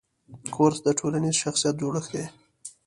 کورس د ټولنیز شخصیت جوړښت دی.